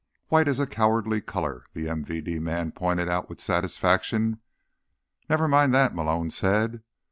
"White is cowardly color," the MVD man pointed out with satisfaction. "Never mind that," Malone said.